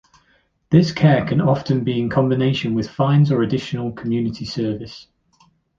This care can often be in combination with fines or additional community service.